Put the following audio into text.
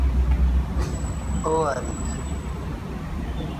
او ا ریک